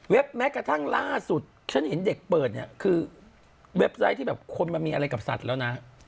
แม้กระทั่งล่าสุดฉันเห็นเด็กเปิดเนี่ยคือเว็บไซต์ที่แบบคนมันมีอะไรกับสัตว์แล้วนะ